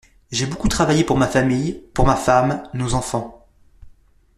J’ai beaucoup travaillé pour ma famille, pour ma femme, nos enfants.